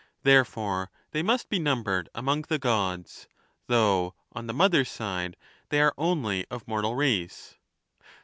Therefore they must be numbered among the Gods, though on the mother's side they are only of mortal race.